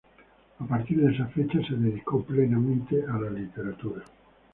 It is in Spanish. A partir de esa fecha, se dedicó plenamente a la literatura.